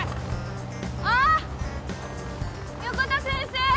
あっ横田先生